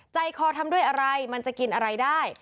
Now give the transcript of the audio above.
ใจคอทำด้วยอะไรมันจะกินอะไรได้